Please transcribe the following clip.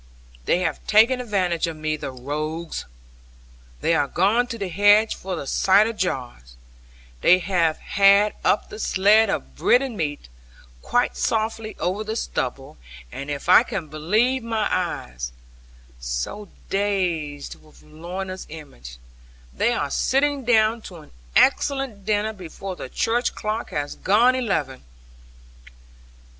They have taken advantage of me, the rogues! They are gone to the hedge for the cider jars; they have had up the sledd of bread and meat, quite softly over the stubble, and if I can believe my eyes (so dazed with Lorna's image), they are sitting down to an excellent dinner, before the church clock has gone eleven!